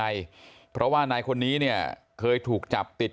สินะช่วยดีครับ